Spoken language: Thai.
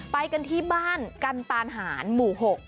ไปกันที่บ้านกันตานหารหมู่๖